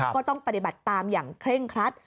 ก็ต้องปฏิบัติตามอย่างเคร่งครัด